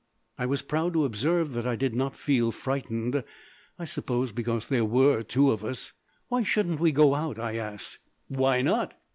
I was proud to observe that I did not feel frightened I suppose because there were two of us. "Why shouldn't we go out?" I asked. "Why not?"